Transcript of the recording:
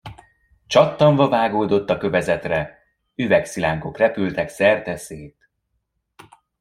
Csattanva vágódott a kövezetre, üvegszilánkok repültek szerteszét.